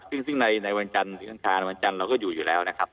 ซึ่งในวันจันทร์เราก็อยู่อยู่แล้วนะครับ